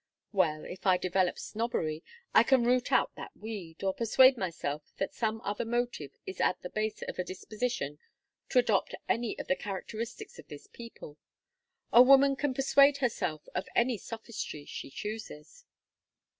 Well, if I develop snobbery I can root out that weed or persuade myself that some other motive is at the base of a disposition to adopt any of the characteristics of this people: a woman can persuade herself of any sophistry she chooses.